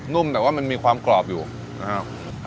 นุ่มแต่ว่ามันมีความกรอบอยู่นะครับ